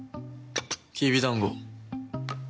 きびだんご。